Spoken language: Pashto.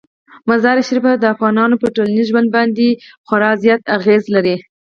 مزارشریف د افغانانو په ټولنیز ژوند باندې خورا زیات اغېز لري.